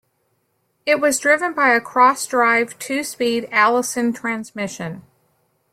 It was driven by a cross-drive, two-speed Allison transmission.